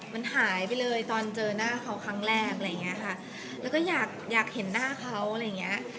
มันหายไปเลยตอนเจอหน้าเขาครั้งแรกแล้วก็อยากเห็นหน้าเขา